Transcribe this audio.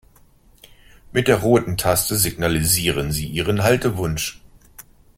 Mit der roten Taste signalisieren Sie Ihren Haltewunsch.